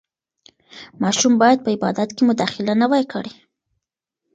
ماشوم باید په عبادت کې مداخله نه وای کړې.